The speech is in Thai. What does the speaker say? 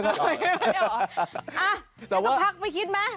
ก็ต้องพักไปคิดไหม